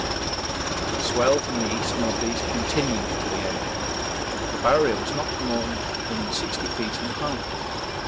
The swell from the E.N.E. continued to the end. The Barrier was not more than 60 feet in height.